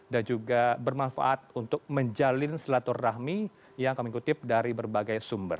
dan juga bermanfaat untuk menjalin selaturrahmi yang kami kutip dari berbagai sumber